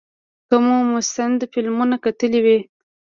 که مو مستند فلمونه کتلي وي.